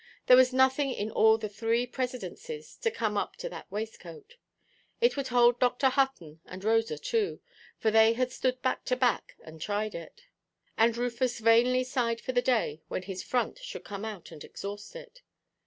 There was nothing in all the three presidencies to come up to that waistcoat. It would hold Dr. Hutton and Rosa too, for they had stood back to back and tried it. And Rufus vainly sighed for the day when his front should come out and exhaust it.